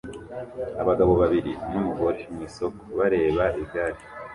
Abagabo babiri numugore mwisoko bareba igare